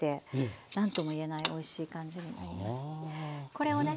これをね